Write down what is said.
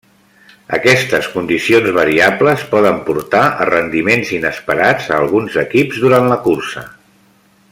Aquestes condicions variables poden portar a rendiments inesperats a alguns equips durant la cursa.